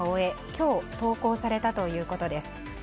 今日、登校されたということです。